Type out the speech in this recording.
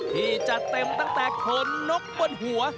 ที่จะเต็มตั้งแต่เขินนกบนหัว